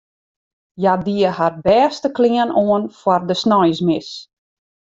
Hja die har bêste klean oan foar de sneinsmis.